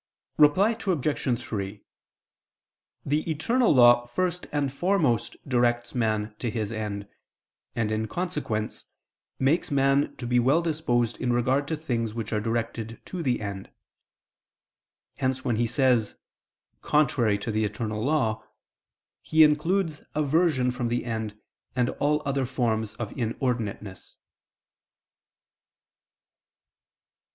Reply Obj. 3: The eternal law first and foremost directs man to his end, and in consequence, makes man to be well disposed in regard to things which are directed to the end: hence when he says, "contrary to the eternal law," he includes aversion from the end and all other forms of inordinateness.